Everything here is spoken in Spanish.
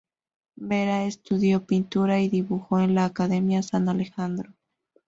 Vera estudió pintura y dibujo en la Academia San Alejandro.